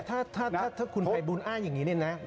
แต่ถ้าคุณไพบูลอ้างอย่างนี้เนี่ยนะ